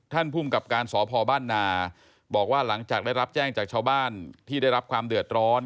ภูมิกับการสพบ้านนาบอกว่าหลังจากได้รับแจ้งจากชาวบ้านที่ได้รับความเดือดร้อน